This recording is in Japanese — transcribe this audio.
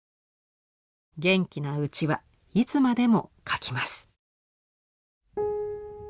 元気なうちはいつまでも描きます」。